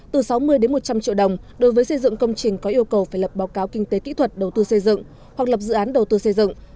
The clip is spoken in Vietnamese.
từ sáu mươi một trăm linh triệu đồng đối với xây dựng công trình có yêu cầu phải lập báo cáo kinh tế kỹ thuật đầu tư xây dựng hoặc lập dự án đầu tư xây dựng